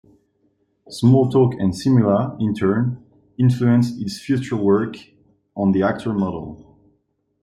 Smalltalk and Simula, in turn, influenced his future work on the Actor model.